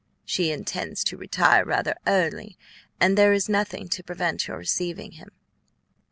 She intends to retire rather early, and there is nothing to prevent your receiving him."